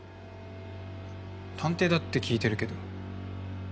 探偵だって聞いてるけど。